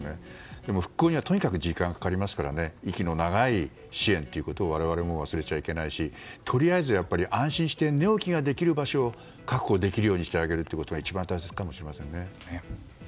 でも復興にはとにかく時間がかかるので息の長い支援を我々も忘れちゃいけないしとりあえず、安心して寝起きができる場所を確保できるようにしてあげることが一番大切かもしれませんね。